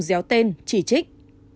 déo tên chỉ trích